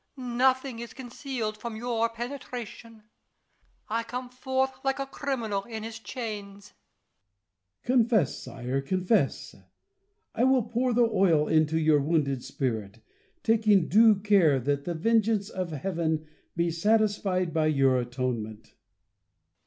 Nothing is concealed from your penetration. I come forth like a criminal in his chains. La Chaise. Confess, sire, confess ! I will pour the oil into your wounded spirit, taking due care that the vengeance of Heaven be satisfied by your atonement.